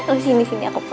eh sini sini aku peluk